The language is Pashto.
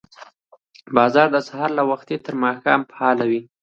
بازار د سهار له وخته تر ماښامه فعال وي